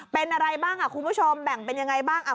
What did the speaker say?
เป็นอะไรบ้างคุณผู้ชมแบ่งเป็นยังไงบ้าง